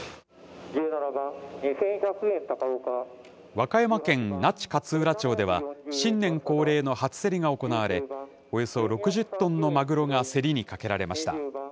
和歌山県那智勝浦町では、新年恒例の初競りが行われ、およそ６０トンのマグロが競りにかけられました。